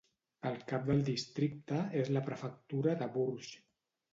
El cap del districte és la prefectura de Bourges.